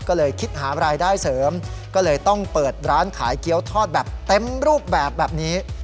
ก็เลยคิดหารายได้เสริมก็เลยต้องเปิดร้านขายเกี้ยวทอดแบบเต็มรูปแบบนี้